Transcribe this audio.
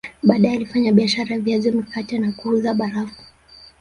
Baadae alifanya biashara ya viazi mikate na kuuza barafu